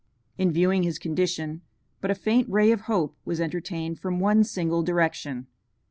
In viewing his condition, but a faint ray of hope was entertained from one single direction.